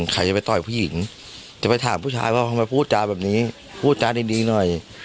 ใครจะไปต่อยผู้หญิงจะไปถามผู้ชายว่าทำไมพูดจาแบบนี้พูดจาดีหน่อย